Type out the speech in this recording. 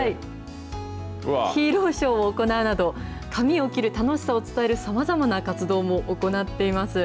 ヒーローショーを行うなど、髪を切る楽しさを伝える、さまざまな活動も行っています。